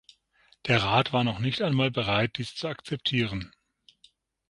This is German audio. Der Rat war noch nicht einmal bereit, dies zu akzeptieren.